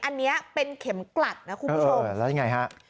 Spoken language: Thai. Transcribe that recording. อันนี้เป็นเข็มกลัดนะคุณผู้ชม